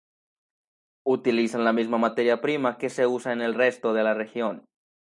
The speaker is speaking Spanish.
Utilizan la misma materia prima que se usa en el resto de la región.